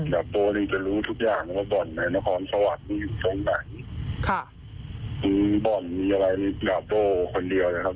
ดาบโบนี่จะรู้ทุกอย่างว่าดาบโบนมีอะไรดาบโบคนเดียวนะครับ